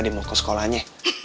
di moko sekolahnya